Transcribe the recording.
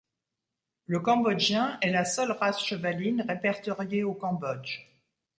Le cambodgien est la seule race chevaline répertoriée au Cambodge.